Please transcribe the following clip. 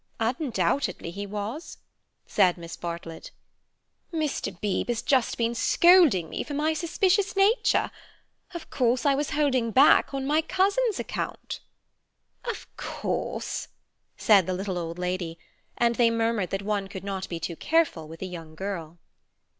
"Undoubtedly he was," said Miss Bartlett. "Mr. Beebe has just been scolding me for my suspicious nature. Of course, I was holding back on my cousin's account." "Of course," said the little old lady; and they murmured that one could not be too careful with a young girl.